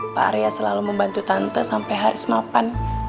pak arya selalu membantu tante sampai hari semapan